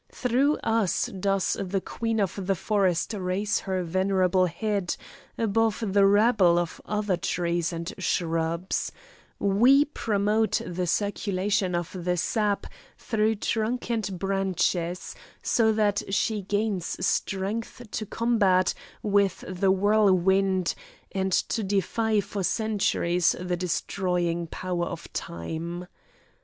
Through us does the queen of the forest raise her venerable head above the rabble of other trees and shrubs; we promote the circulation of the sap through trunk and branches, so that she gains strength to combat with the whirlwind, and to defy for centuries the destroying power of time.